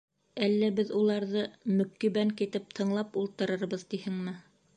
Әллә беҙ уларҙы мөкиббән китеп тыңлап ултырырбыҙ тиһеңме?